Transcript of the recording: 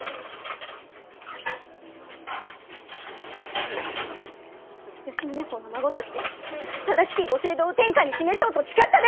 ２人で吉宗公の孫として正しきご政道を天下に示そうと誓ったではないか！